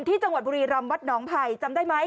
ที่จังหวัดบุรีรำวัดหนองไผ่จำได้ไหม